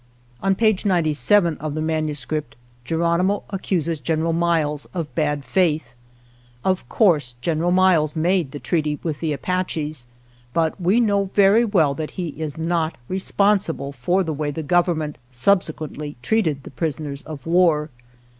On page ninety seven of the manuscript Geronimo accuses General Miles of bad faith. Of course, General Miles made the treaty with the Apaches, but we know very well that he is not responsible for the way the Government subsequently treated the prisoners of war.